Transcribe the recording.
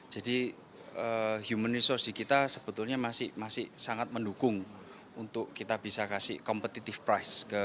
jadi human resource di kita sebetulnya masih sangat mendukung untuk kita bisa kasih competitive price